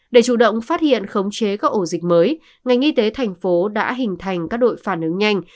để chủ động phát hiện khống chế các ổ dịch mới ngành y tế thành phố đã hình thành các đội phản ứng nhanh